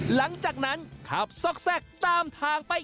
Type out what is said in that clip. หลังจากนั้นขับซอกแทรกตามทางไป